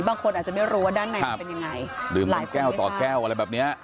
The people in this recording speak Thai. บางคนอาจจะไม่รู้ว่าด้านในมันเป็นยังไงดื่มหลายแก้วต่อแก้วอะไรแบบเนี้ย